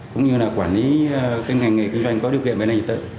cũng như quản lý ngành nghề kinh doanh có điều kiện về nền tự